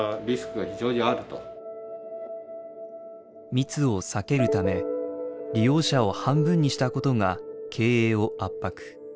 密を避けるため利用者を半分にしたことが経営を圧迫。